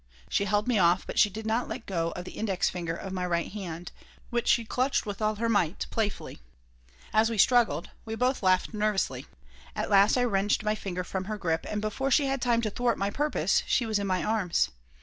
She held me off, but she did not let go of the index finger of my right hand, which she clutched with all her might, playfully. As we struggled, we both laughed nervously. At last I wrenched my finger from her grip, and before she had time to thwart my purpose she was in my arms.